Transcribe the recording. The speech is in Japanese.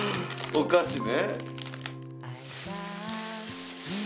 お菓子ね。